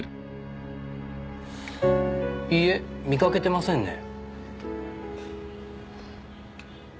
いいえ見かけてませんね。